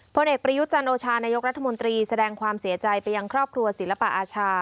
ผลเอกประยุทธ์จันโอชานายกรัฐมนตรีแสดงความเสียใจไปยังครอบครัวศิลปะอาชา